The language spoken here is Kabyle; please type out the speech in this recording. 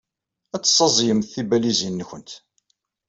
Ad tessaẓyemt tibalizin-nwent.